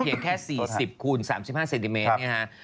เพียงแค่๔๐คูณ๓๕เซนติเมตรนี่ฮะ